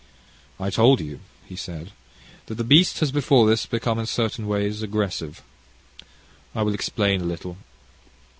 "I told you," he said, "that the beast has before this become in certain ways aggressive. I will explain a little.